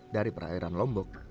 dari perairan lombok